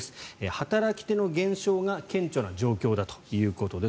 働き手の減少が顕著な状況だということです。